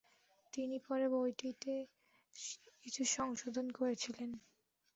তিনি পরে বইটিতে কিছু সংশোধন করেছিলেন।